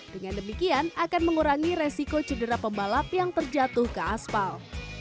dengan demikian akan mengurangi resiko cedera pembalap yang terjatuh ke aspal